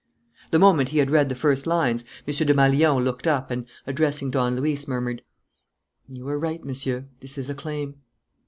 The moment he had read the first lines, M. Desmalions looked up and, addressing Don Luis, murmured: "You were right, Monsieur. This is a claim."